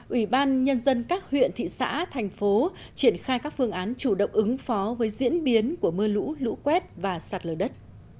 ubnd các huyện thị xã thành phố triển khai các phương án chủ động ứng phó với diễn biến của mưa lũ lũ quét và sạt lở đất